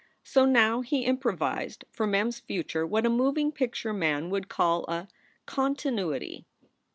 So now he improvised for Mem s future what a moving picture man would call a "continuity."